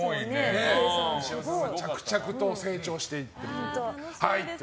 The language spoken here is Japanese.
着々と成長していってると。